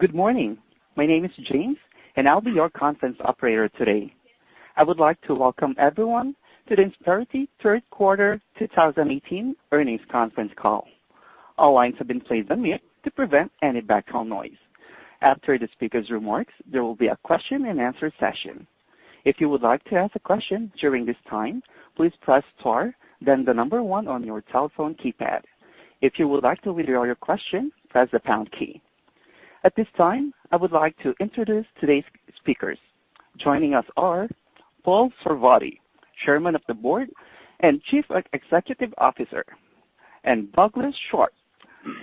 Good morning. My name is Jim, and I'll be your conference operator today. I would like to welcome everyone to Insperity third quarter 2018 earnings conference call. All lines have been placed on mute to prevent any background noise. After the speaker's remarks, there will be a question and answer session. If you would like to ask a question during this time, please press star, then the number 1 on your telephone keypad. If you would like to withdraw your question, press the pound key. At this time, I would like to introduce today's speakers. Joining us are Paul Sarvadi, Chairman of the Board and Chief Executive Officer, and Douglas S. Sharp,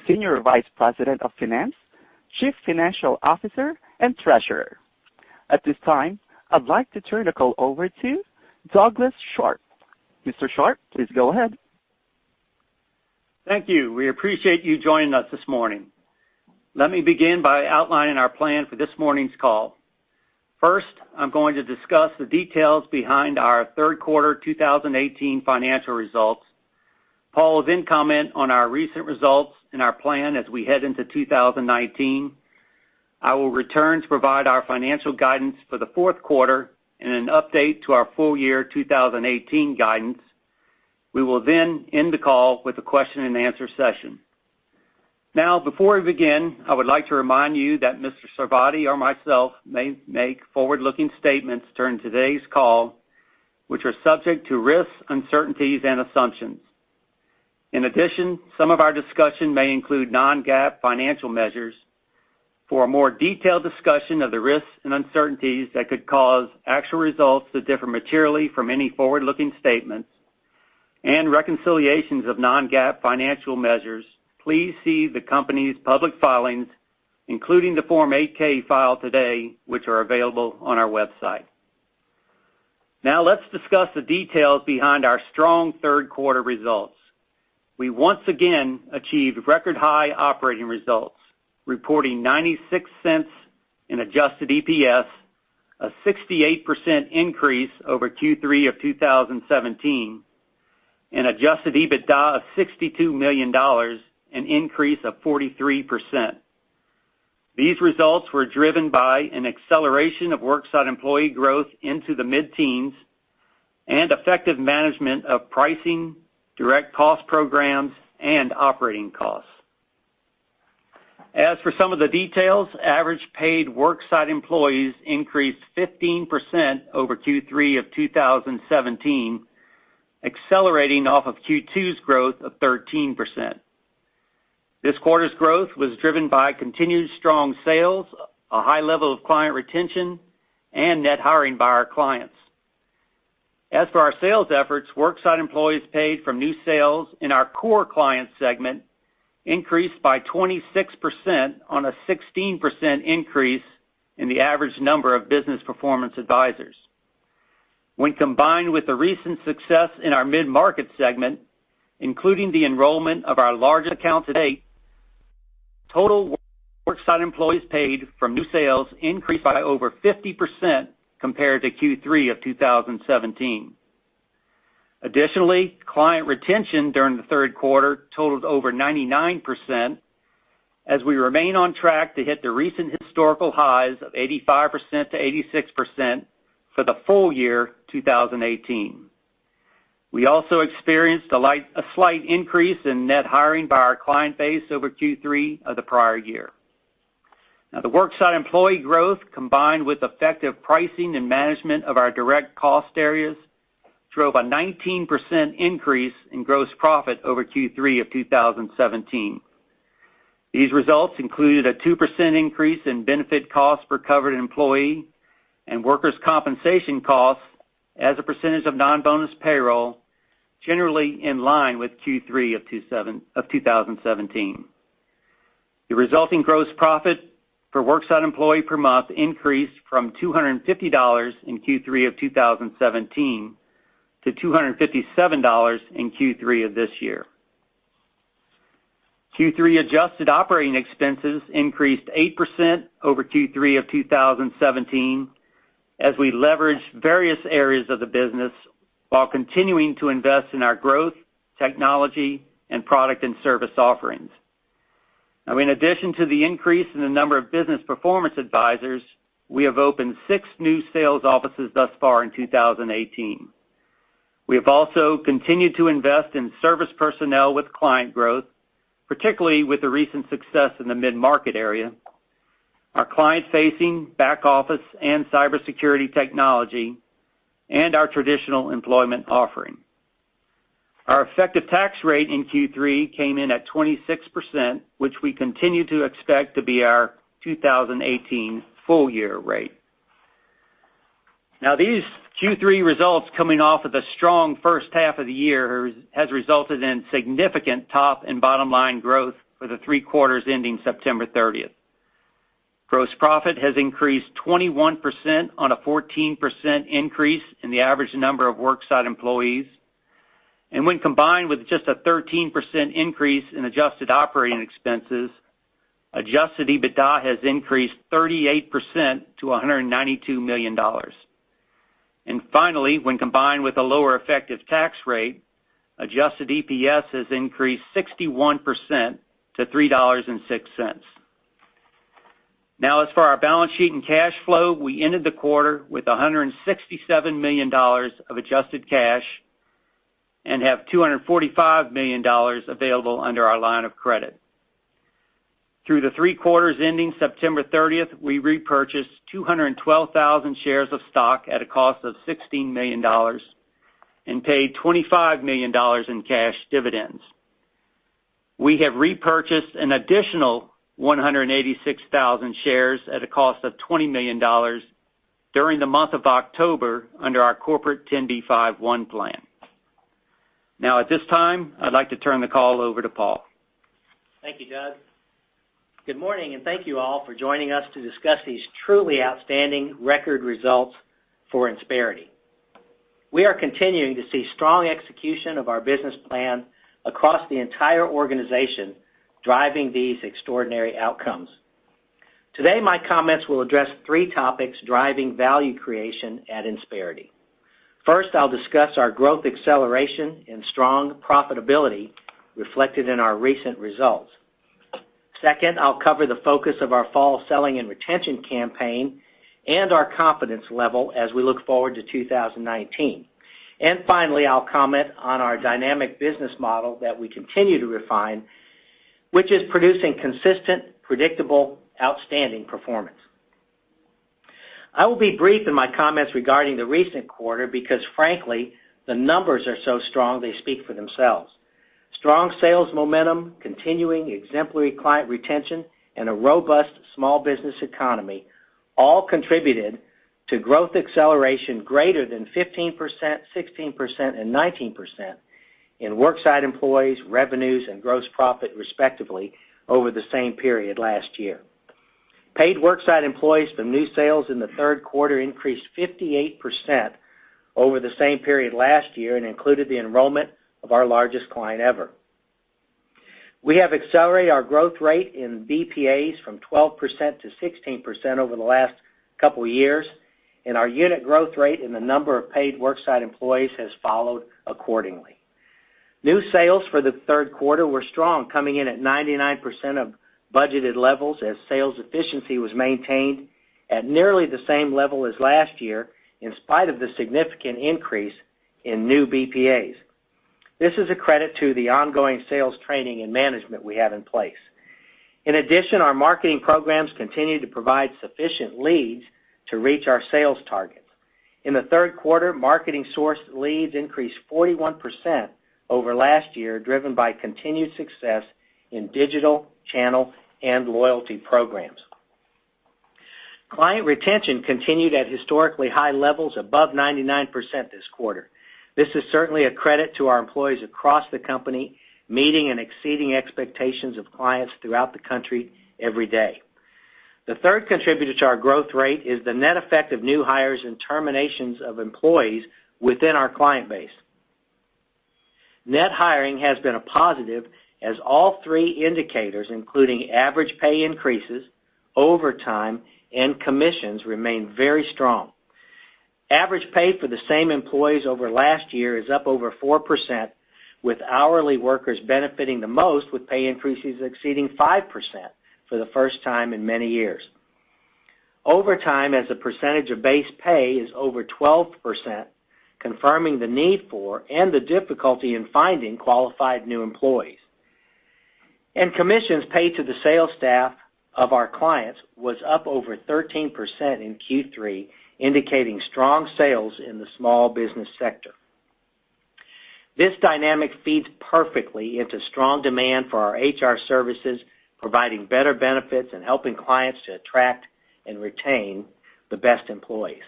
Senior Vice President of Finance, Chief Financial Officer, and Treasurer. At this time, I'd like to turn the call over to Douglas S. Sharp. Mr. Sharp, please go ahead. Thank you. We appreciate you joining us this morning. Let me begin by outlining our plan for this morning's call. First, I'm going to discuss the details behind our third quarter 2018 financial results. Paul will then comment on our recent results and our plan as we head into 2019. I will return to provide our financial guidance for the fourth quarter and an update to our full year 2018 guidance. We will then end the call with a question and answer session. Before we begin, I would like to remind you that Mr. Sarvadi or myself may make forward-looking statements during today's call, which are subject to risks, uncertainties, and assumptions. In addition, some of our discussion may include non-GAAP financial measures. For a more detailed discussion of the risks and uncertainties that could cause actual results to differ materially from any forward-looking statements and reconciliations of non-GAAP financial measures, please see the company's public filings, including the Form 8-K filed today, which are available on our website. Let's discuss the details behind our strong third quarter results. We once again achieved record high operating results, reporting $0.96 in adjusted EPS, a 68% increase over Q3 of 2017, and adjusted EBITDA of $62 million, an increase of 43%. These results were driven by an acceleration of worksite employee growth into the mid-teens and effective management of pricing, direct cost programs, and operating costs. As for some of the details, average paid worksite employees increased 15% over Q3 of 2017, accelerating off of Q2's growth of 13%. This quarter's growth was driven by continued strong sales, a high level of client retention, and net hiring by our clients. As for our sales efforts, worksite employees paid from new sales in our core client segment increased by 26% on a 16% increase in the average number of Business Performance Advisors. When combined with the recent success in our mid-market segment, including the enrollment of our largest account to date, total worksite employees paid from new sales increased by over 50% compared to Q3 of 2017. Additionally, client retention during the third quarter totaled over 99% as we remain on track to hit the recent historical highs of 85%-86% for the full year 2018. We also experienced a slight increase in net hiring by our client base over Q3 of the prior year. The worksite employee growth, combined with effective pricing and management of our direct cost areas, drove a 19% increase in gross profit over Q3 of 2017. These results included a 2% increase in benefit costs per covered employee and workers' compensation costs as a percentage of non-bonus payroll, generally in line with Q3 of 2017. The resulting gross profit for worksite employee per month increased from $250 in Q3 of 2017 to $257 in Q3 of this year. Q3 adjusted operating expenses increased 8% over Q3 of 2017 as we leveraged various areas of the business while continuing to invest in our growth, technology, and product and service offerings. In addition to the increase in the number of Business Performance Advisors, we have opened six new sales offices thus far in 2018. We have also continued to invest in service personnel with client growth, particularly with the recent success in the mid-market area, our client-facing back office and cybersecurity technology, and our traditional employment offering. Our effective tax rate in Q3 came in at 26%, which we continue to expect to be our 2018 full year rate. These Q3 results coming off of a strong first half of the year has resulted in significant top and bottom-line growth for the three quarters ending September 30th. Gross profit has increased 21% on a 14% increase in the average number of worksite employees. When combined with just a 13% increase in adjusted operating expenses, adjusted EBITDA has increased 38% to $192 million. Finally, when combined with a lower effective tax rate, adjusted EPS has increased 61% to $3.06. As for our balance sheet and cash flow, we ended the quarter with $167 million of adjusted cash and have $245 million available under our line of credit. Through the three quarters ending September 30th, we repurchased 212,000 shares of stock at a cost of $16 million and paid $25 million in cash dividends. We have repurchased an additional 186,000 shares at a cost of $20 million during the month of October under our corporate Rule 10b5-1 plan. At this time, I'd like to turn the call over to Paul. Thank you, Doug. Good morning, and thank you all for joining us to discuss these truly outstanding record results for Insperity. We are continuing to see strong execution of our business plan across the entire organization, driving these extraordinary outcomes. Today, my comments will address three topics driving value creation at Insperity. First, I'll discuss our growth acceleration and strong profitability reflected in our recent results. Second, I'll cover the focus of our fall selling and retention campaign and our confidence level as we look forward to 2019. Finally, I'll comment on our dynamic business model that we continue to refine, which is producing consistent, predictable, outstanding performance. I will be brief in my comments regarding the recent quarter because frankly, the numbers are so strong they speak for themselves. Strong sales momentum, continuing exemplary client retention, and a robust small business economy all contributed to growth acceleration greater than 15%, 16%, and 19% in worksite employees, revenues, and gross profit, respectively, over the same period last year. Paid worksite employees from new sales in the third quarter increased 58% over the same period last year and included the enrollment of our largest client ever. We have accelerated our growth rate in BPAs from 12% to 16% over the last couple of years, and our unit growth rate in the number of paid worksite employees has followed accordingly. New sales for the third quarter were strong, coming in at 99% of budgeted levels as sales efficiency was maintained at nearly the same level as last year in spite of the significant increase in new BPAs. This is a credit to the ongoing sales training and management we have in place. Our marketing programs continue to provide sufficient leads to reach our sales targets. In the third quarter, marketing source leads increased 41% over last year, driven by continued success in digital channel and loyalty programs. Client retention continued at historically high levels above 99% this quarter. This is certainly a credit to our employees across the company, meeting and exceeding expectations of clients throughout the country every day. The third contributor to our growth rate is the net effect of new hires and terminations of employees within our client base. Net hiring has been a positive as all three indicators, including average pay increases, overtime, and commissions, remain very strong. Average pay for the same employees over last year is up over 4%, with hourly workers benefiting the most, with pay increases exceeding 5% for the first time in many years. Overtime as a percentage of base pay is over 12%, confirming the need for and the difficulty in finding qualified new employees. Commissions paid to the sales staff of our clients was up over 13% in Q3, indicating strong sales in the small business sector. This dynamic feeds perfectly into strong demand for our HR services, providing better benefits and helping clients to attract and retain the best employees.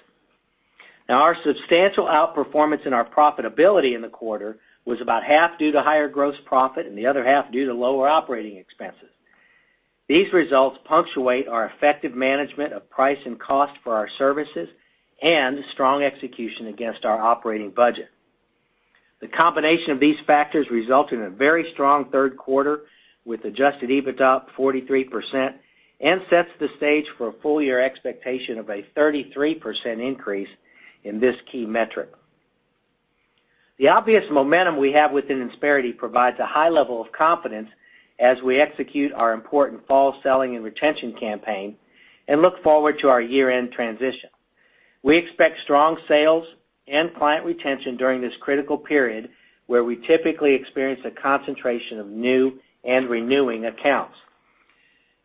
Our substantial outperformance in our profitability in the quarter was about half due to higher gross profit and the other half due to lower operating expenses. These results punctuate our effective management of price and cost for our services and strong execution against our operating budget. The combination of these factors result in a very strong third quarter, with adjusted EBITDA up 43% and sets the stage for a full year expectation of a 33% increase in this key metric. The obvious momentum we have within Insperity provides a high level of confidence as we execute our important fall selling and retention campaign and look forward to our year-end transition. We expect strong sales and client retention during this critical period where we typically experience a concentration of new and renewing accounts.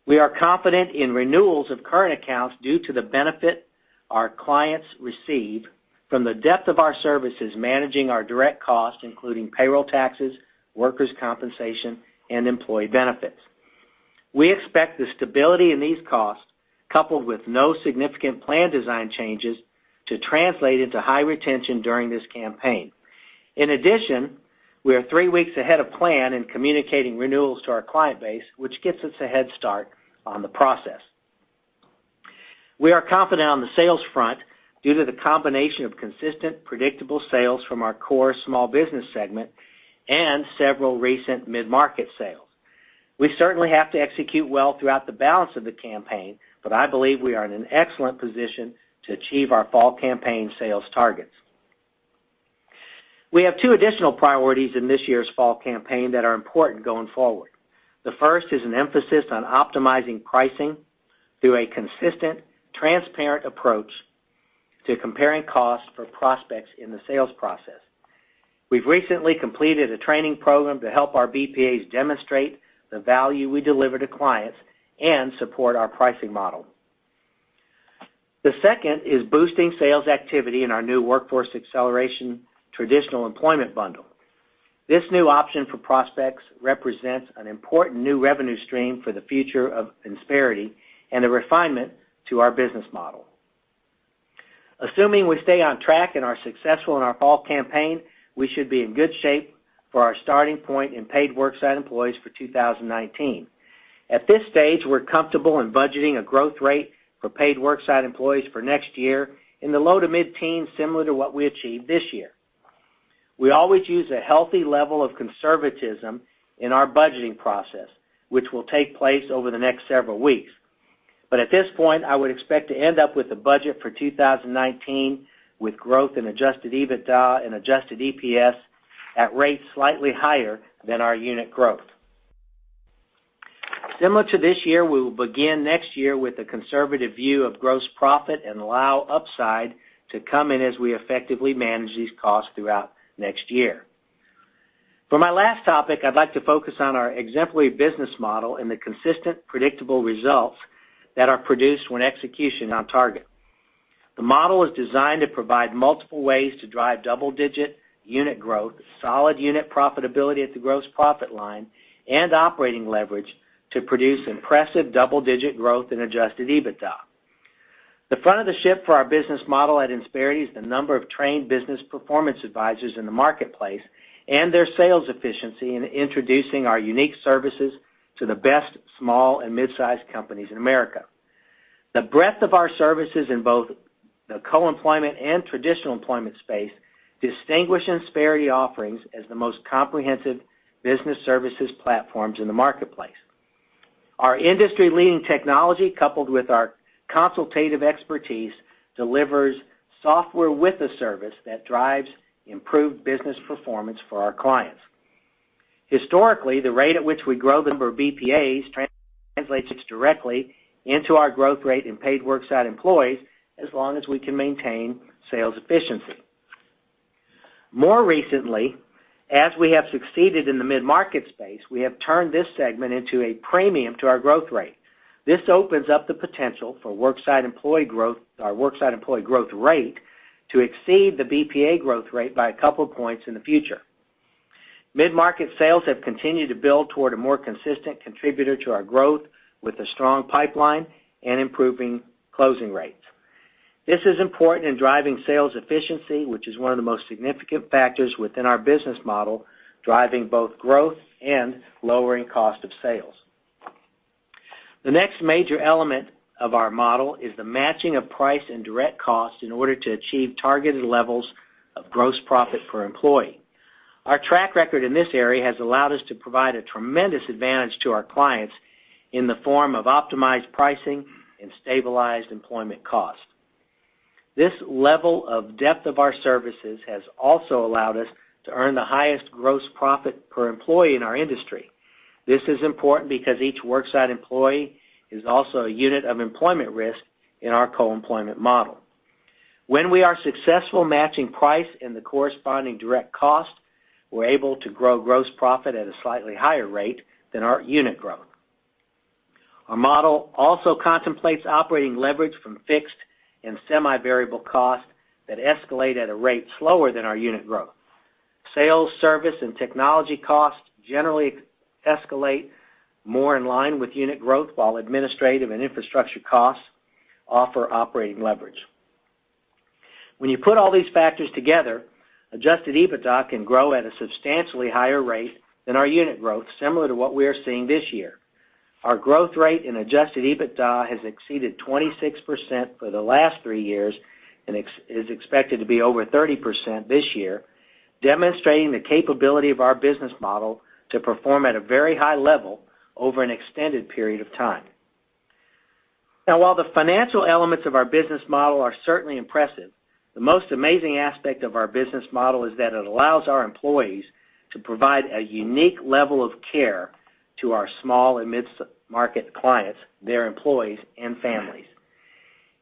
We are confident in renewals of current accounts due to the benefit our clients receive from the depth of our services managing our direct costs, including payroll taxes, workers' compensation, and employee benefits. We expect the stability in these costs, coupled with no significant plan design changes, to translate into high retention during this campaign. In addition, we are three weeks ahead of plan in communicating renewals to our client base, which gets us a head start on the process. We are confident on the sales front due to the combination of consistent, predictable sales from our core small business segment and several recent mid-market sales. We certainly have to execute well throughout the balance of the campaign. I believe we are in an excellent position to achieve our fall campaign sales targets. We have two additional priorities in this year's fall campaign that are important going forward. The first is an emphasis on optimizing pricing through a consistent, transparent approach to comparing costs for prospects in the sales process. We've recently completed a training program to help our BPAs demonstrate the value we deliver to clients and support our pricing model. The second is boosting sales activity in our new Workforce Acceleration traditional employment bundle. This new option for prospects represents an important new revenue stream for the future of Insperity and a refinement to our business model. Assuming we stay on track and are successful in our fall campaign, we should be in good shape for our starting point in paid worksite employees for 2019. At this stage, we're comfortable in budgeting a growth rate for paid worksite employees for next year in the low to mid-teens, similar to what we achieved this year. We always use a healthy level of conservatism in our budgeting process, which will take place over the next several weeks. At this point, I would expect to end up with a budget for 2019 with growth in adjusted EBITDA and adjusted EPS at rates slightly higher than our unit growth. Similar to this year, we will begin next year with a conservative view of gross profit and allow upside to come in as we effectively manage these costs throughout next year. For my last topic, I'd like to focus on our exemplary business model and the consistent, predictable results that are produced when execution on target. The model is designed to provide multiple ways to drive double-digit unit growth, solid unit profitability at the gross profit line, and operating leverage to produce impressive double-digit growth in adjusted EBITDA. The front of the ship for our business model at Insperity is the number of trained Business Performance Advisors in the marketplace and their sales efficiency in introducing our unique services to the best small and mid-sized companies in America. The breadth of our services in both the co-employment and traditional employment space distinguish Insperity offerings as the most comprehensive business services platforms in the marketplace. Our industry-leading technology, coupled with our consultative expertise, delivers software with a service that drives improved business performance for our clients. Historically, the rate at which we grow the number of BPAs translates directly into our growth rate in paid worksite employees, as long as we can maintain sales efficiency. More recently, as we have succeeded in the mid-market space, we have turned this segment into a premium to our growth rate. This opens up the potential for our worksite employee growth rate to exceed the BPA growth rate by a couple points in the future. Mid-market sales have continued to build toward a more consistent contributor to our growth with a strong pipeline and improving closing rates. This is important in driving sales efficiency, which is one of the most significant factors within our business model, driving both growth and lowering cost of sales. The next major element of our model is the matching of price and direct cost in order to achieve targeted levels of gross profit per employee. Our track record in this area has allowed us to provide a tremendous advantage to our clients in the form of optimized pricing and stabilized employment cost. This level of depth of our services has also allowed us to earn the highest gross profit per employee in our industry. This is important because each worksite employee is also a unit of employment risk in our co-employment model. When we are successful matching price and the corresponding direct cost, we're able to grow gross profit at a slightly higher rate than our unit growth. Our model also contemplates operating leverage from fixed and semi-variable costs that escalate at a rate slower than our unit growth. Sales, service, and technology costs generally escalate more in line with unit growth, while administrative and infrastructure costs offer operating leverage. When you put all these factors together, adjusted EBITDA can grow at a substantially higher rate than our unit growth, similar to what we are seeing this year. Our growth rate in adjusted EBITDA has exceeded 26% for the last three years and is expected to be over 30% this year, demonstrating the capability of our business model to perform at a very high level over an extended period of time. Now, while the financial elements of our business model are certainly impressive, the most amazing aspect of our business model is that it allows our employees to provide a unique level of care to our small and mid-market clients, their employees, and families.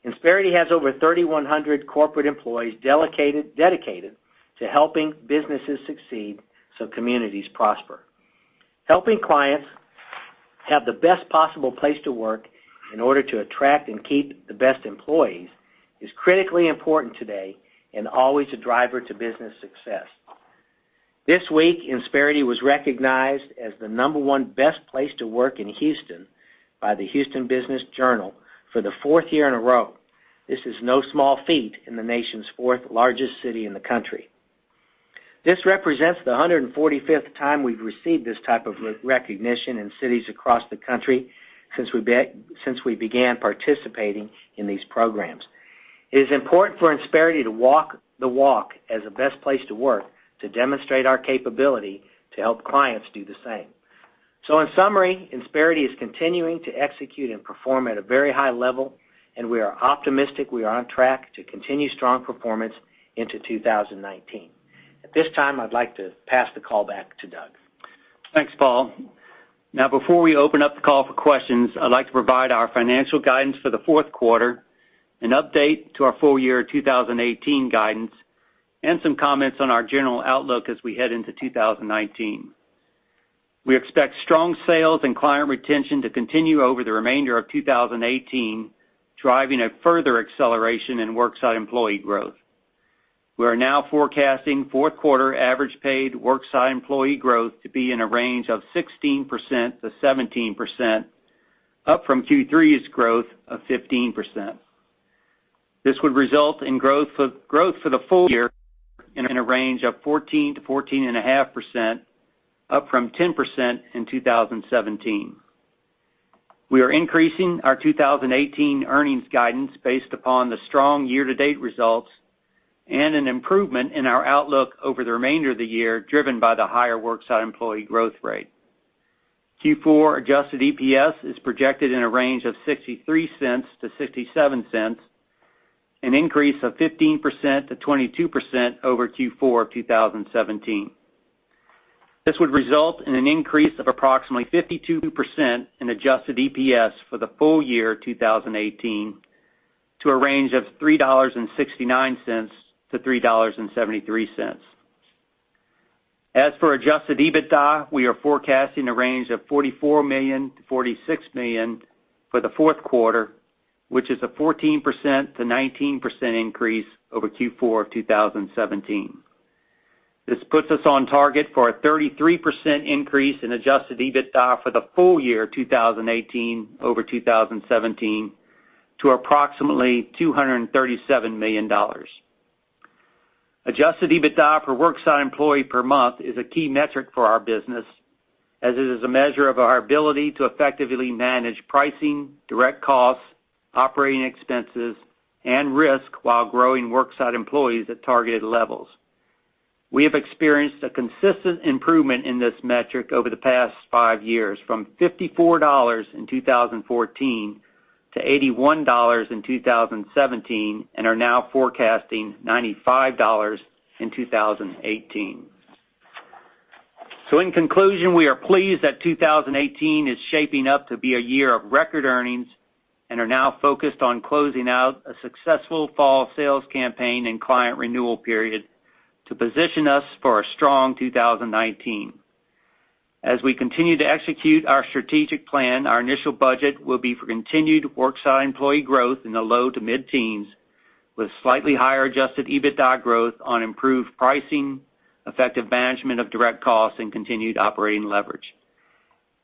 Insperity has over 3,100 corporate employees dedicated to helping businesses succeed so communities prosper. Helping clients have the best possible place to work in order to attract and keep the best employees is critically important today and always a driver to business success. This week, Insperity was recognized as the number 1 best place to work in Houston by the Houston Business Journal for the fourth year in a row. This is no small feat in the nation's fourth-largest city in the country. This represents the 145th time we've received this type of recognition in cities across the country since we began participating in these programs. It is important for Insperity to walk the walk as a best place to work to demonstrate our capability to help clients do the same. In summary, Insperity is continuing to execute and perform at a very high level, and we are optimistic we are on track to continue strong performance into 2019. At this time, I'd like to pass the call back to Doug. Thanks, Paul. Before we open up the call for questions, I'd like to provide our financial guidance for the fourth quarter, an update to our full year 2018 guidance, and some comments on our general outlook as we head into 2019. We expect strong sales and client retention to continue over the remainder of 2018, driving a further acceleration in worksite employee growth. We are now forecasting fourth quarter average paid worksite employee growth to be in a range of 16%-17%, up from Q3's growth of 15%. This would result in growth for the full year in a range of 14%-14.5%, up from 10% in 2017. We are increasing our 2018 earnings guidance based upon the strong year-to-date results and an improvement in our outlook over the remainder of the year, driven by the higher worksite employee growth rate. Q4 adjusted EPS is projected in a range of $0.63-$0.67, an increase of 15%-22% over Q4 of 2017. This would result in an increase of approximately 52% in adjusted EPS for the full year 2018 to a range of $3.69-$3.73. As for adjusted EBITDA, we are forecasting a range of $44 million-$46 million for the fourth quarter, which is a 14%-19% increase over Q4 of 2017. This puts us on target for a 33% increase in adjusted EBITDA for the full year 2018 over 2017 to approximately $237 million. Adjusted EBITDA per worksite employee per month is a key metric for our business, as it is a measure of our ability to effectively manage pricing, direct costs, operating expenses, and risk while growing worksite employees at targeted levels. We have experienced a consistent improvement in this metric over the past five years, from $54 in 2014 to $81 in 2017, and are now forecasting $95 in 2018. In conclusion, we are pleased that 2018 is shaping up to be a year of record earnings and are now focused on closing out a successful fall sales campaign and client renewal period to position us for a strong 2019. As we continue to execute our strategic plan, our initial budget will be for continued worksite employee growth in the low to mid-teens, with slightly higher adjusted EBITDA growth on improved pricing, effective management of direct costs, and continued operating leverage.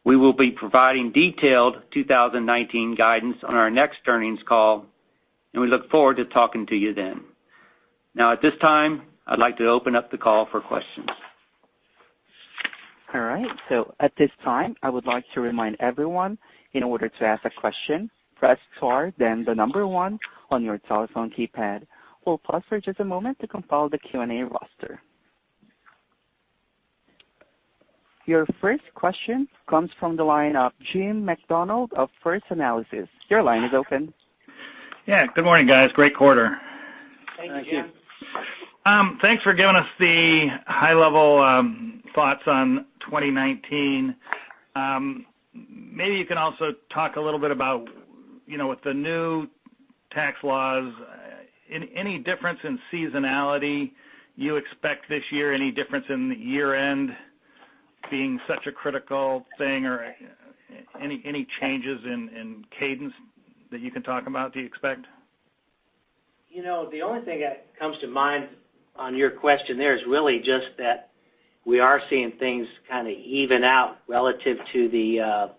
We will be providing detailed 2019 guidance on our next earnings call, and we look forward to talking to you then. At this time, I'd like to open up the call for questions. All right. At this time, I would like to remind everyone, in order to ask a question, press star then the number 1 on your telephone keypad. We'll pause for just a moment to compile the Q&A roster. Your first question comes from the line of Jim Macdonald of First Analysis. Your line is open. Yeah. Good morning, guys. Great quarter. Thank you. Thank you. Thanks for giving us the high-level thoughts on 2019. Maybe you can also talk a little bit about, with the new tax laws, any difference in seasonality you expect this year? Any difference in the year-end being such a critical thing? Any changes in cadence that you can talk about, do you expect? The only thing that comes to mind on your question there is really just that we are seeing things kind of even out relative to the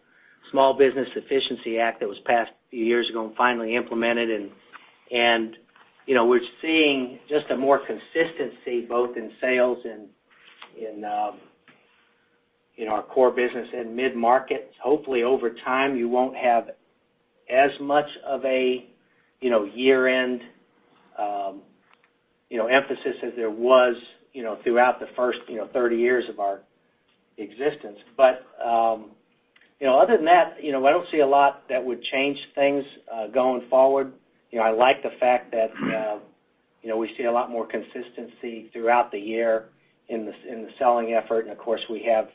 Small Business Efficiency Act that was passed a few years ago and finally implemented. We're seeing just a more consistency, both in sales and in our core business and mid-markets. Hopefully over time, you won't have as much of a year-end emphasis as there was throughout the first 30 years of our existence. Other than that, I don't see a lot that would change things going forward. I like the fact that we see a lot more consistency throughout the year in the selling effort. Of course, we have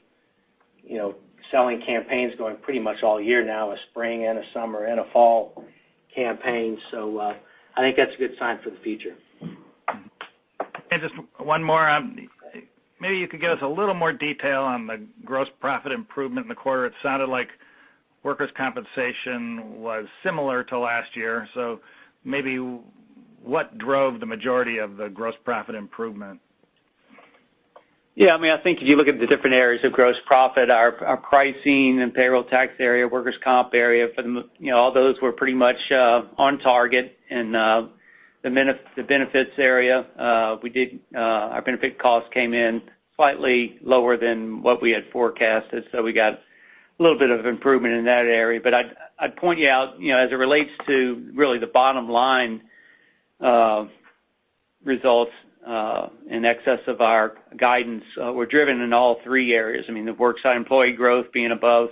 selling campaigns going pretty much all year now, a spring and a summer and a fall campaign. I think that's a good sign for the future. Just one more. Maybe you could give us a little more detail on the gross profit improvement in the quarter. It sounded like workers' compensation was similar to last year, so maybe what drove the majority of the gross profit improvement? I think if you look at the different areas of gross profit, our pricing and payroll tax area, workers' comp area, all those were pretty much on target. In the benefits area, our benefit cost came in slightly lower than what we had forecasted, we got little bit of improvement in that area. I'd point you out, as it relates to really the bottom line results in excess of our guidance, we're driven in all three areas. I mean, the worksite employee growth being above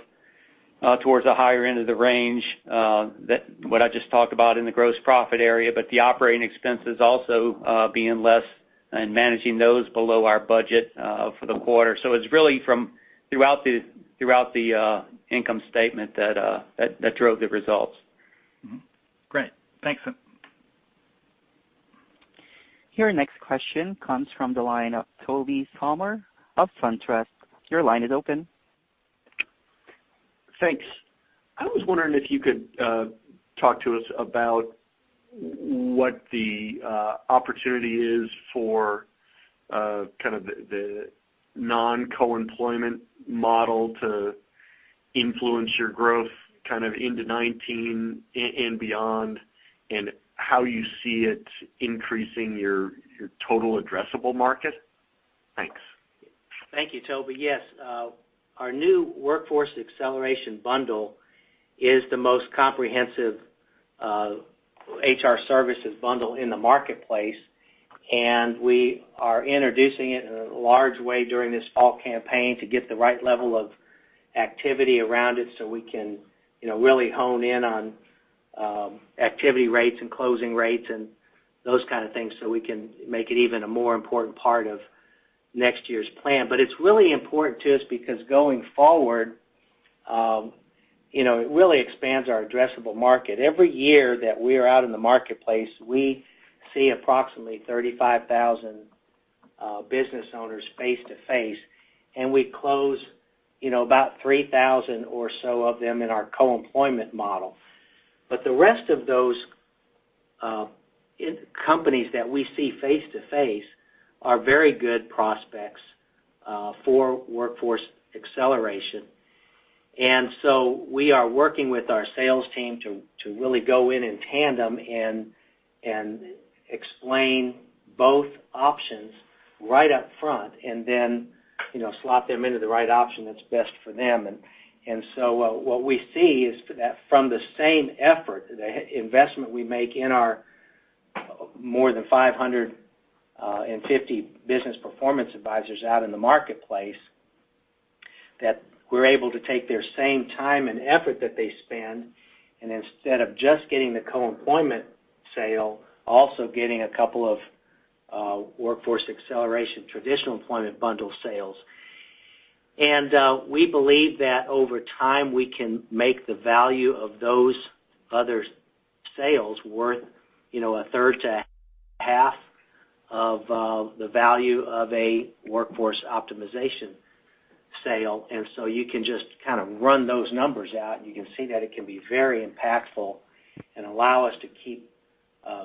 towards the higher end of the range, what I just talked about in the gross profit area. The operating expenses also being less and managing those below our budget for the quarter. It's really from throughout the income statement that drove the results. Mm-hmm. Great. Thanks. Your next question comes from the line of Tobey Sommer of SunTrust. Your line is open. Thanks. I was wondering if you could talk to us about what the opportunity is for kind of the non-co-employment model to influence your growth into 2019 and beyond, and how you see it increasing your total addressable market. Thanks. Thank you, Tobey. Yes. Our new Workforce Acceleration bundle is the most comprehensive HR services bundle in the marketplace. We are introducing it in a large way during this fall campaign to get the right level of activity around it. We can really hone in on activity rates and closing rates and those kind of things. We can make it even a more important part of next year's plan. It's really important to us because going forward, it really expands our addressable market. Every year that we are out in the marketplace, we see approximately 35,000 business owners face to face, and we close about 3,000 or so of them in our co-employment model. The rest of those companies that we see face to face are very good prospects for Workforce Acceleration. We are working with our sales team to really go in in tandem and explain both options right up front, then slot them into the right option that's best for them. What we see is from the same effort, the investment we make in our more than 550 Business Performance Advisors out in the marketplace, that we're able to take their same time and effort that they spend, and instead of just getting the co-employment sale, also getting a couple of Workforce Acceleration traditional employment bundle sales. We believe that over time, we can make the value of those other sales worth a third to half of the value of a Workforce Optimization sale. You can just run those numbers out, you can see that it can be very impactful and allow us to keep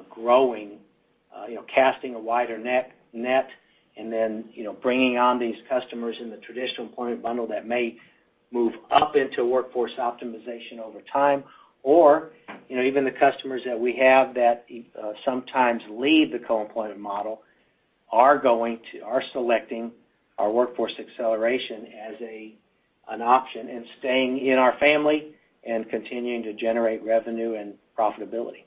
growing, casting a wider net, then bringing on these customers in the traditional employment bundle that may move up into Workforce Optimization over time. Or even the customers that we have that sometimes leave the co-employment model are selecting our Workforce Acceleration as an option and staying in our family and continuing to generate revenue and profitability.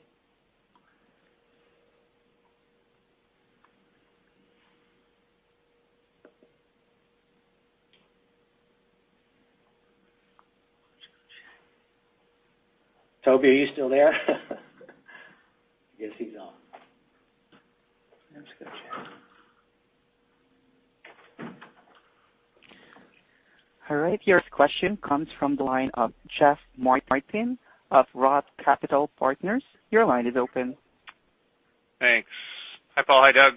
Tobey, are you still there? I guess he's gone. I'm just going to check. All right. Your question comes from the line of Jeff Martin of Roth Capital Partners. Your line is open. Thanks. Hi, Paul. Hi, Doug.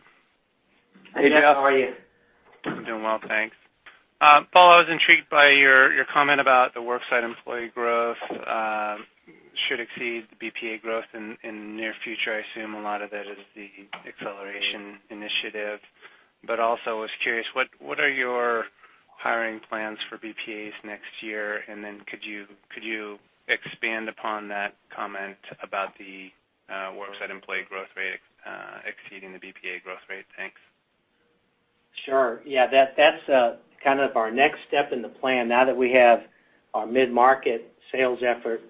Hey, Jeff. How are you? I'm doing well, thanks. Paul, I was intrigued by your comment about the worksite employee growth should exceed the BPA growth in the near future. I assume a lot of that is the acceleration initiative, but also was curious, what are your hiring plans for BPAs next year? Could you expand upon that comment about the worksite employee growth rate exceeding the BPA growth rate? Thanks. Sure. Yeah, that's kind of our next step in the plan. Now that we have our mid-market sales effort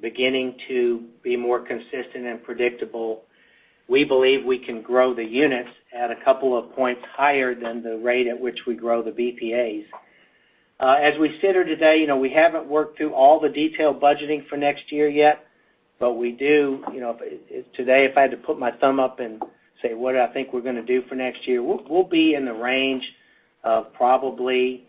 beginning to be more consistent and predictable, we believe we can grow the units at a couple of points higher than the rate at which we grow the BPAs. As we sit here today, we haven't worked through all the detailed budgeting for next year yet. Today, if I had to put my thumb up and say what I think we're going to do for next year, we'll be in the range of probably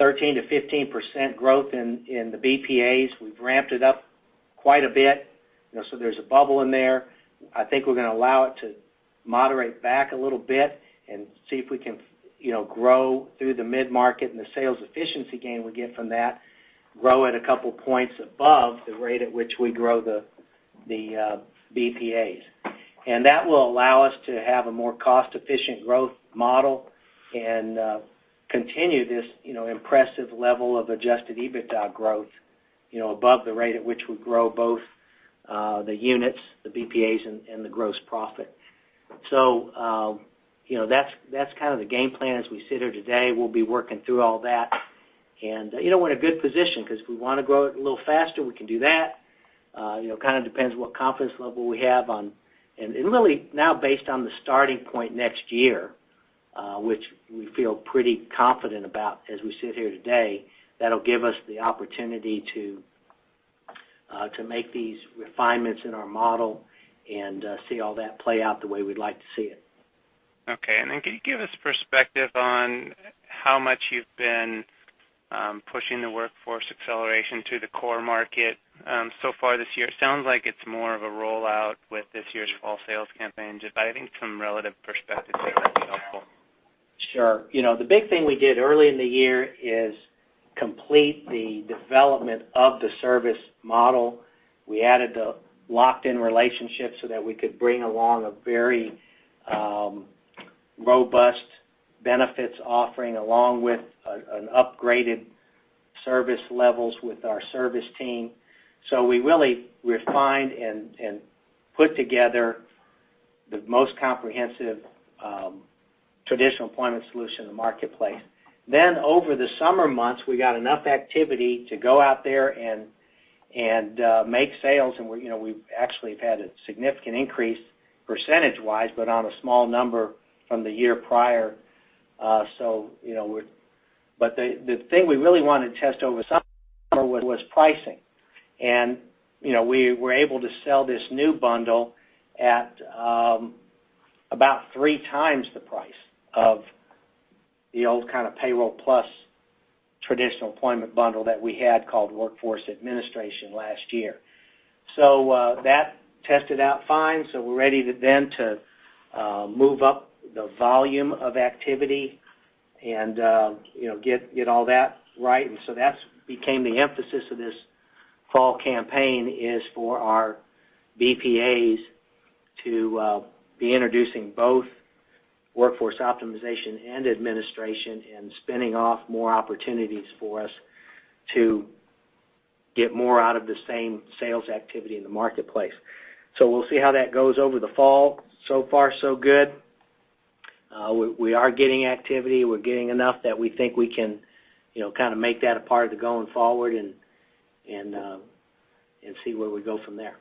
13%-15% growth in the BPAs. We've ramped it up quite a bit, so there's a bubble in there. I think we're going to allow it to moderate back a little bit and see if we can grow through the mid-market and the sales efficiency gain we get from that, grow at a couple points above the rate at which we grow the BPAs. That will allow us to have a more cost-efficient growth model and continue this impressive level of adjusted EBITDA growth above the rate at which we grow both the units, the BPAs, and the gross profit. That's kind of the game plan as we sit here today. We'll be working through all that, and we're in a good position because if we want to grow it a little faster, we can do that. It kind of depends what confidence level we have on really now based on the starting point next year, which we feel pretty confident about as we sit here today, that'll give us the opportunity to make these refinements in our model and see all that play out the way we'd like to see it. Okay. Then can you give us perspective on how much you've been pushing the Workforce Acceleration to the core market so far this year? It sounds like it's more of a rollout with this year's fall sales campaign. Just providing some relative perspective there would be helpful. Sure. The big thing we did early in the year is complete the development of the service model. We added the locked-in relationship so that we could bring along a very robust benefits offering, along with an upgraded service levels with our service team. We really refined and put together the most comprehensive traditional employment solution in the marketplace. Over the summer months, we got enough activity to go out there and make sales, and we've actually had a significant increase percentage-wise but on a small number from the year prior. The thing we really want to test over summer was pricing. We were able to sell this new bundle at about three times the price of the old kind of payroll plus traditional employment bundle that we had called Workforce Administration last year. That tested out fine, so we're ready then to move up the volume of activity and get all that right. That became the emphasis of this fall campaign, is for our BPAs to be introducing both Workforce Optimization and Administration and spinning off more opportunities for us to get more out of the same sales activity in the marketplace. We'll see how that goes over the fall. So far so good. We are getting activity. We're getting enough that we think we can kind of make that a part of the going forward and see where we go from there.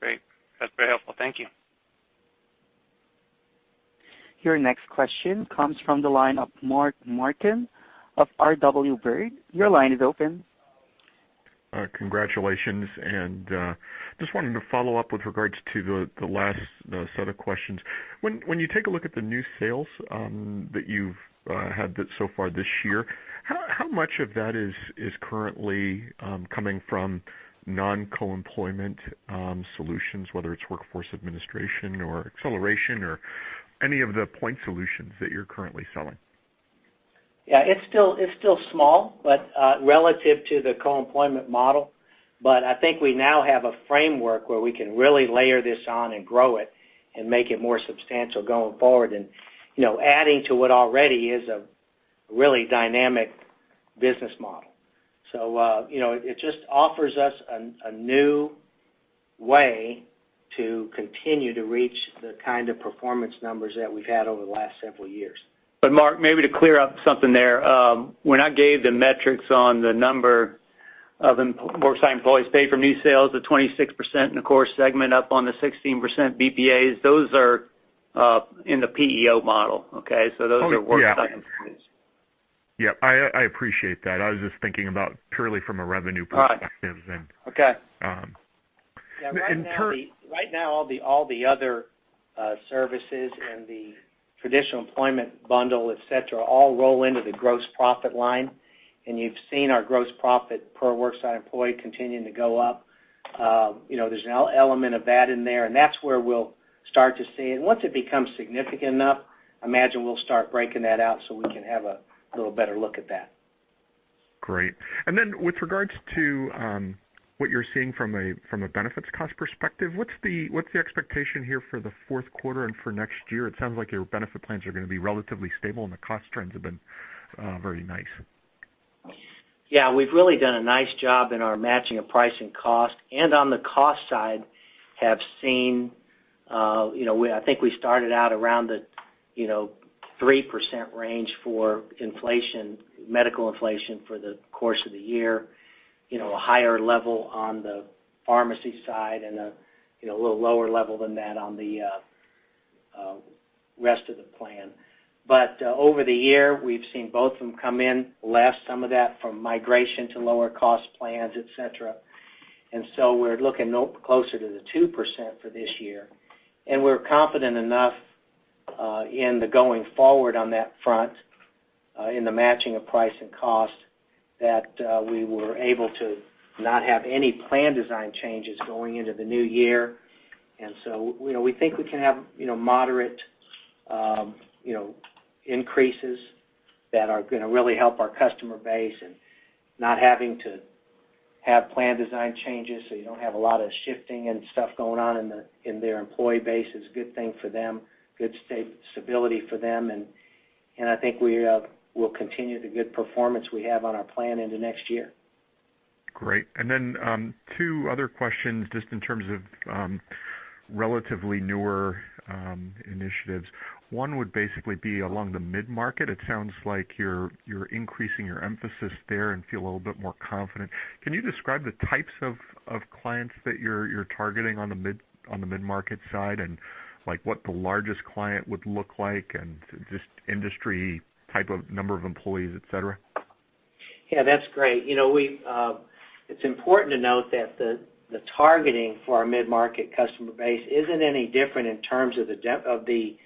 Great. That's very helpful. Thank you. Your next question comes from the line of Mark Marcon of RW Baird. Your line is open. Congratulations, just wanted to follow up with regards to the last set of questions. When you take a look at the new sales that you've had so far this year, how much of that is currently coming from non-co-employment solutions, whether it's Workforce Administration or Workforce Acceleration or any of the point solutions that you're currently selling? It's still small, but relative to the co-employment model. I think we now have a framework where we can really layer this on and grow it and make it more substantial going forward and adding to what already is a really dynamic business model. It just offers us a new way to continue to reach the kind of performance numbers that we've had over the last several years. Mark, maybe to clear up something there. When I gave the metrics on the number of worksite employees paid for new sales of 26% in the core segment up on the 16% BPAs, those are in the PEO model, okay? Those are worksite employees. Yeah. I appreciate that. I was just thinking about purely from a revenue perspective then. Okay. Yeah, right now, all the other services and the traditional employment bundle, et cetera, all roll into the gross profit line. You've seen our gross profit per worksite employee continuing to go up. There's an element of that in there, and that's where we'll start to see. Once it becomes significant enough, I imagine we'll start breaking that out so we can have a little better look at that. Great. With regards to what you're seeing from a benefits cost perspective, what's the expectation here for the fourth quarter and for next year? It sounds like your benefit plans are going to be relatively stable and the cost trends have been very nice. Yeah, we've really done a nice job in our matching of price and cost, on the cost side, have seen I think we started out around the 3% range for medical inflation for the course of the year. A higher level on the pharmacy side and a little lower level than that on the rest of the plan. Over the year, we've seen both of them come in less, some of that from migration to lower cost plans, et cetera. So we're looking closer to the 2% for this year. We're confident enough in the going forward on that front in the matching of price and cost that we were able to not have any plan design changes going into the new year. We think we can have moderate increases that are going to really help our customer base and not having to have plan design changes, so you don't have a lot of shifting and stuff going on in their employee base is a good thing for them, good stability for them. And I think we will continue the good performance we have on our plan into next year. Great. Then two other questions, just in terms of relatively newer initiatives. One would basically be along the mid-market. It sounds like you're increasing your emphasis there and feel a little bit more confident. Can you describe the types of clients that you're targeting on the mid-market side, and what the largest client would look like, and just industry type of number of employees, et cetera? Yeah, that's great. It's important to note that the targeting for our mid-market customer base isn't any different in terms of the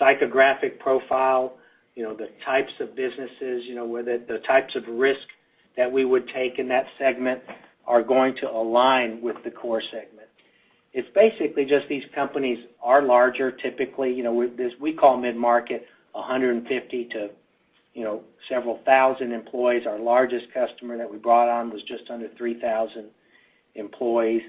psychographic profile, the types of businesses, whether the types of risk that we would take in that segment are going to align with the core segment. It's basically just these companies are larger, typically. We call mid-market 150 to several thousand employees. Our largest customer that we brought on was just under 3,000 employees.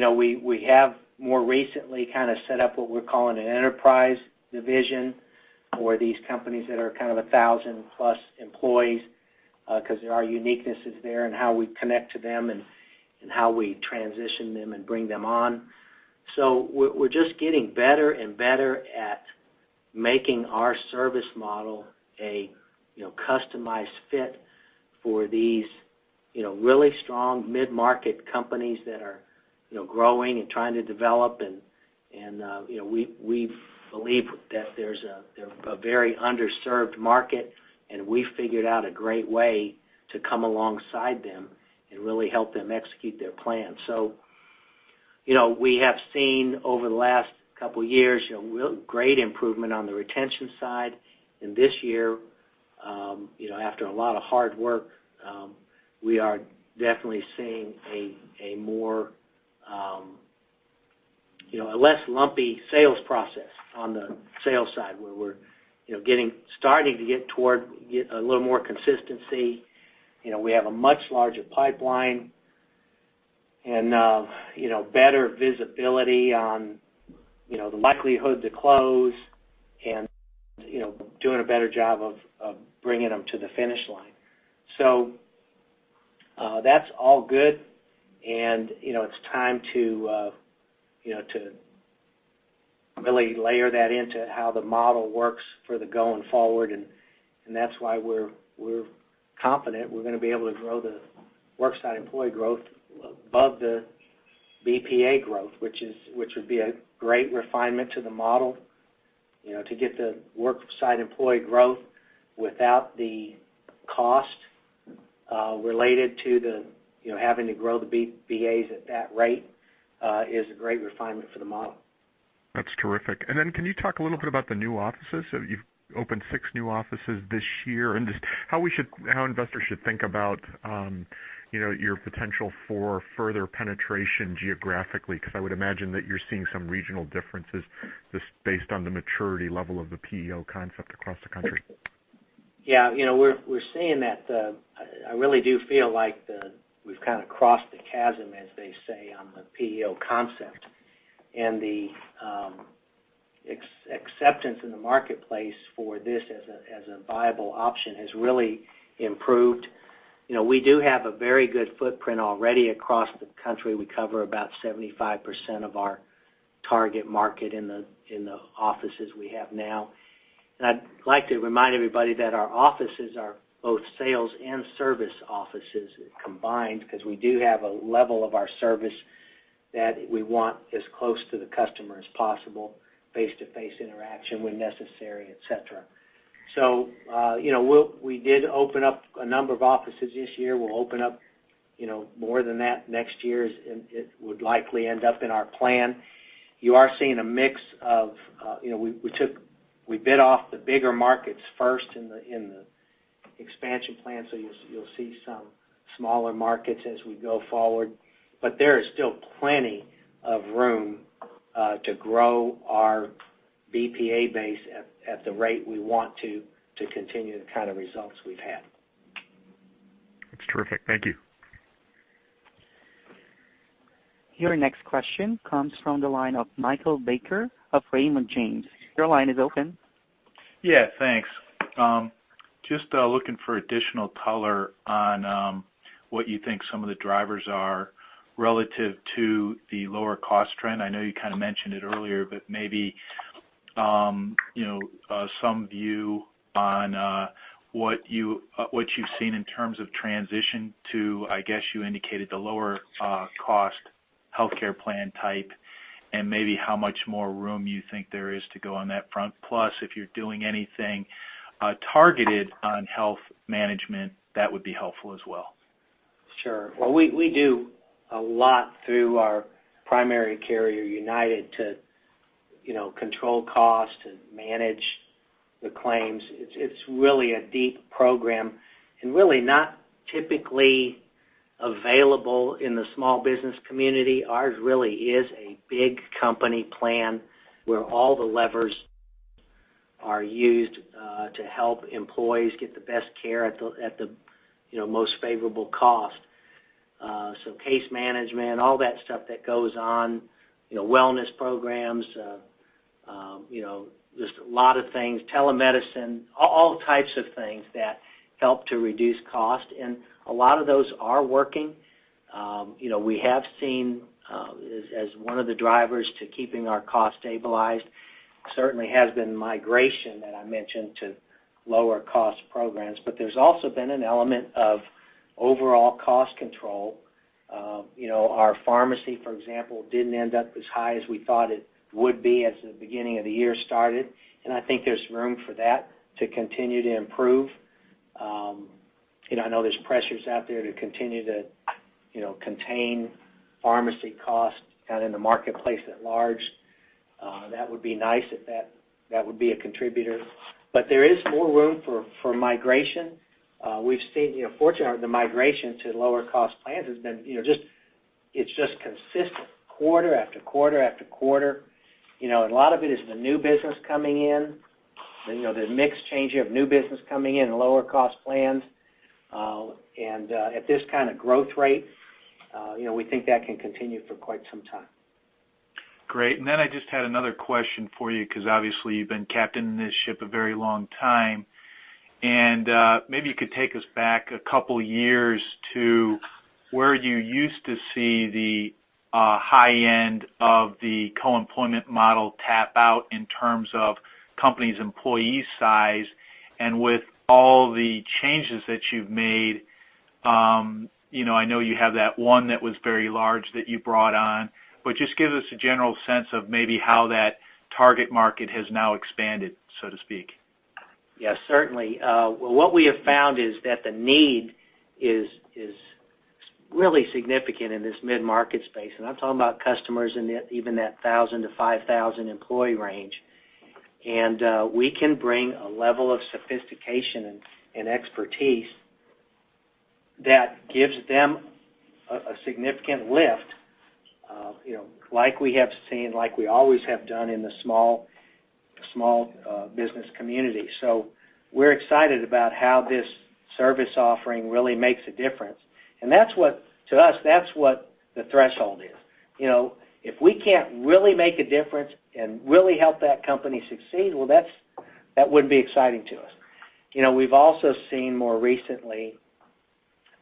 We have more recently kind of set up what we're calling an enterprise division for these companies that are kind of 1,000-plus employees, because there are uniquenesses there in how we connect to them and how we transition them and bring them on. We're just getting better and better at making our service model a customized fit for these really strong mid-market companies that are growing and trying to develop. We believe that there's a very underserved market, and we figured out a great way to come alongside them and really help them execute their plan. We have seen over the last couple of years, real great improvement on the retention side. This year, after a lot of hard work, we are definitely seeing a less lumpy sales process on the sales side, where we're starting to get toward a little more consistency. We have a much larger pipeline and better visibility on the likelihood to close and doing a better job of bringing them to the finish line. That's all good, and it's time to really layer that into how the model works for the going forward. That's why we're confident we're going to be able to grow the worksite employee growth above the BPA growth, which would be a great refinement to the model. To get the worksite employee growth without the cost related to having to grow the BPAs at that rate is a great refinement for the model. That's terrific. Can you talk a little bit about the new offices? You've opened six new offices this year, just how investors should think about your potential for further penetration geographically? I would imagine that you're seeing some regional differences just based on the maturity level of the PEO concept across the country. Yeah. We're seeing that the I really do feel like we've kind of crossed the chasm, as they say, on the PEO concept. The acceptance in the marketplace for this as a viable option has really improved. We do have a very good footprint already across the country. We cover about 75% of our target market in the offices we have now. I'd like to remind everybody that our offices are both sales and service offices combined because we do have a level of our service that we want as close to the customer as possible, face-to-face interaction when necessary, et cetera. We did open up a number of offices this year. We'll open up more than that next year. It would likely end up in our plan. We bid off the bigger markets first in the expansion plan, you'll see some smaller markets as we go forward. There is still plenty of room to grow our BPA base at the rate we want to continue the kind of results we've had. That's terrific. Thank you. Your next question comes from the line of Michael Baker of Raymond James. Your line is open. Yeah. Thanks. Just looking for additional color on what you think some of the drivers are relative to the lower cost trend. I know you kind of mentioned it earlier, but maybe some view on what you've seen in terms of transition to, I guess, you indicated the lower cost healthcare plan type, and maybe how much more room you think there is to go on that front. Plus, if you're doing anything targeted on health management, that would be helpful as well. Sure. Well, we do a lot through our primary carrier, UnitedHealthcare, to control cost and manage the claims. It's really a deep program, really not typically available in the small business community. Ours really is a big company plan where all the levers are used to help employees get the best care at the most favorable cost, case management, all that stuff that goes on, wellness programs, just a lot of things, telemedicine, all types of things that help to reduce cost. A lot of those are working. We have seen, as one of the drivers to keeping our cost stabilized, certainly has been migration, that I mentioned, to lower cost programs. There's also been an element of overall cost control. Our pharmacy, for example, didn't end up as high as we thought it would be as the beginning of the year started. I think there's room for that to continue to improve. I know there's pressures out there to continue to contain pharmacy costs, kind of in the marketplace at large. That would be nice if that would be a contributor. There is more room for migration. We've seen, fortunately, the migration to lower cost plans, it's just consistent quarter after quarter after quarter. A lot of it is the new business coming in, the mix change of new business coming in, lower cost plans. At this kind of growth rate, we think that can continue for quite some time. Great. I just had another question for you, because obviously you've been captaining this ship a very long time. Maybe you could take us back a couple years to where you used to see the high end of the co-employment model tap out in terms of company's employee size, and with all the changes that you've made. I know you have that one that was very large that you brought on. Just give us a general sense of maybe how that target market has now expanded, so to speak. Yes, certainly. What we have found is that the need is really significant in this mid-market space. I'm talking about customers in even that 1,000 to 5,000 employee range. We can bring a level of sophistication and expertise that gives them a significant lift like we have seen, like we always have done in the small business community. We're excited about how this service offering really makes a difference. To us, that's what the threshold is. If we can't really make a difference and really help that company succeed, well, that wouldn't be exciting to us. We've also seen more recently,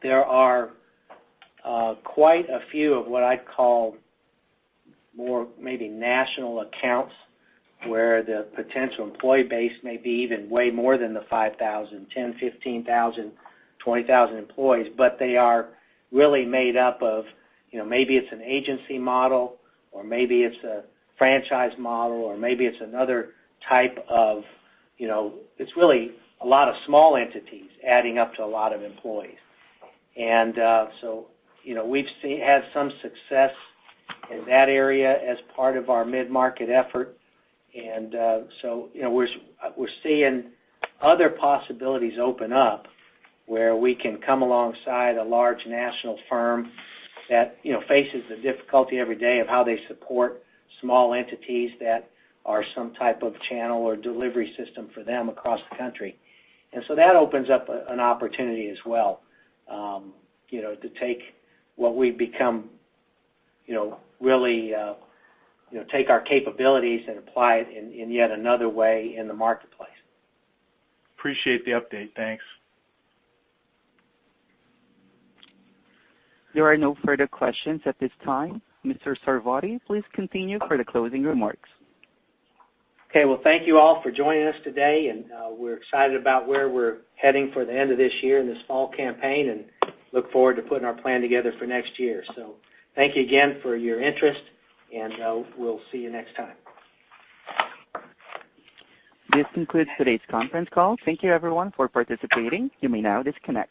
there are quite a few of what I'd call more maybe national accounts where the potential employee base may be even way more than the 5,000, 10,000, 15,000, 20,000 employees. They are really made up of maybe it's an agency model or maybe it's a franchise model. It's really a lot of small entities adding up to a lot of employees. We've had some success in that area as part of our mid-market effort. We're seeing other possibilities open up where we can come alongside a large national firm that faces the difficulty every day of how they support small entities that are some type of channel or delivery system for them across the country. That opens up an opportunity as well, to take our capabilities and apply it in yet another way in the marketplace. Appreciate the update. Thanks. There are no further questions at this time. Mr. Sarvadi, please continue for the closing remarks. Okay. Well, thank you all for joining us today. We're excited about where we're heading for the end of this year and this fall campaign, and look forward to putting our plan together for next year. Thank you again for your interest, and we'll see you next time. This concludes today's conference call. Thank you everyone for participating. You may now disconnect.